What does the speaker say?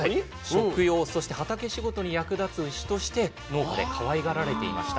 食用そして畑仕事に役立つ牛として農家でかわいがられていました。